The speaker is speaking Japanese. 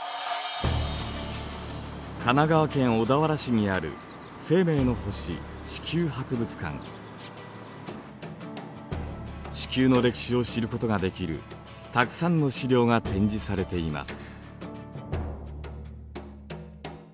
神奈川県小田原市にある地球の歴史を知ることができるたくさんの資料が展示されています。